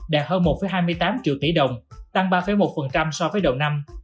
đạt hơn một hai mươi tám triệu tỷ đồng tăng ba một so với đầu năm